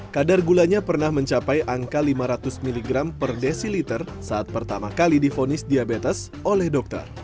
kadar gulanya pernah mencapai angka lima ratus mg per desiliter saat pertama kali difonis diabetes oleh dokter